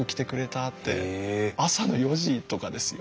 朝の４時とかですよ。